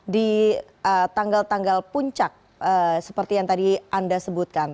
di tanggal tanggal puncak seperti yang tadi anda sebutkan